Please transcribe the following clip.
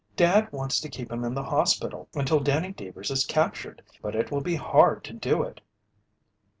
"Dad wants to keep him in the hospital until Danny Deevers is captured, but it will be hard to do it."